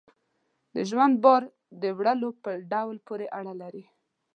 د ژوند بار د وړلو په ډول پورې اړه لري.